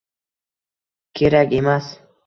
Kerak emas.